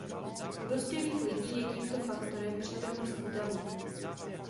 U dospělých lidí je tímto faktorem přítomnost v davu.